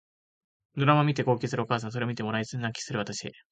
ドラマを見て号泣するお母さんそれを見てもらい泣きする私